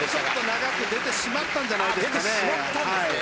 長く出てしまったんじゃないですかね。